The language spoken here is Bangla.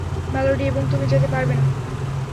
মেলোডি এবং তুমি যেতে পারবে না।